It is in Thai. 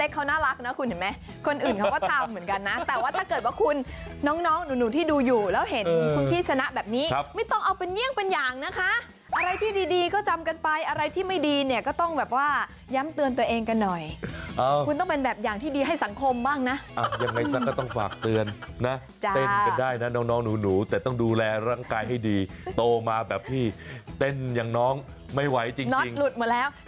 เอาจริงนะเด็กทำน่ารักน่าเกียบน่าเกียบค่ะแต่คุณน่ะ